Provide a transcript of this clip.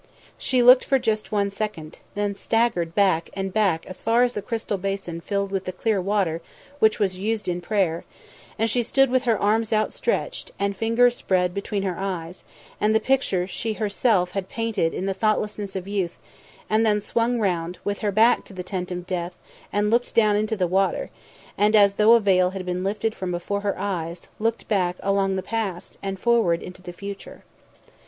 She looked for just one second, then staggered back and back as far as the crystal basin filled with the clear water which was used in prayer; and she stood with her arms outstretched, and fingers spread between her eyes, and the picture she herself had painted in the thoughtlessness of youth, and then swung round, with her back to the Tent of Death and looked down into the water, and, as though a veil had been lifted from before her eyes, looked back along the past, and forward into the future.